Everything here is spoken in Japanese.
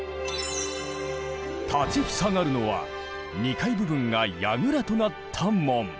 立ち塞がるのは２階部分が櫓となった門。